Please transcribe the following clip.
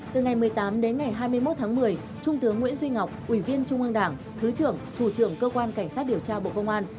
từ ngày một mươi tám đến ngày hai mươi một tháng một mươi trung tướng nguyễn duy ngọc ủy viên trung ương đảng thứ trưởng thủ trưởng cơ quan cảnh sát điều tra bộ công an